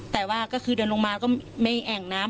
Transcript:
แต่ว่าก็คือเดินลงมาก็ไม่แอ่งน้ำ